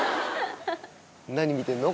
何見てんの？